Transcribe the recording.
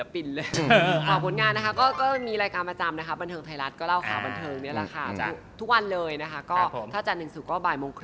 ฝากผลงานด้วยครับว่าช่วงนี้มีอะไรยังไงบ้าง